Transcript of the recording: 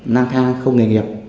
năng thang không nghề nghiệp